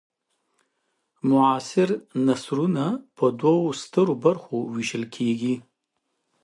معاصر نثرونه په دوو سترو برخو وېشل کیږي.